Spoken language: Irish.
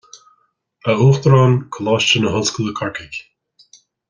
A Uachtaráin Coláiste na hOllscoile Corcaigh